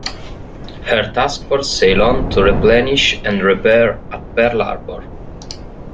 Her task force sailed on to replenish and repair at Pearl Harbor.